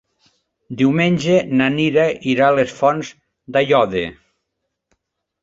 Diumenge na Nina irà a les Fonts d'Aiòder.